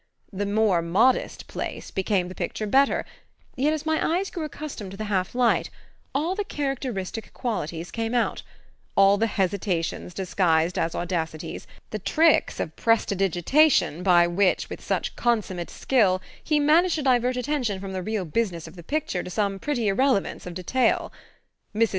The more modest place became the picture better; yet, as my eyes grew accustomed to the half light, all the characteristic qualities came out all the hesitations disguised as audacities, the tricks of prestidigitation by which, with such consummate skill, he managed to divert attention from the real business of the picture to some pretty irrelevance of detail. Mrs.